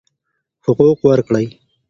حقوق ورکړئ.